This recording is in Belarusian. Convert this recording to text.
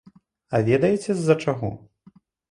А ведаеце з-за чаго?